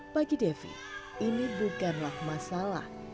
bagi devi ini bukanlah masalah